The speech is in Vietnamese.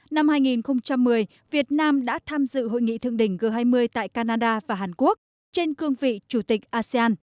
năm hai nghìn một mươi việt nam đã tham dự hội nghị thượng đỉnh g hai mươi tại canada và hàn quốc trên cương vị chủ tịch asean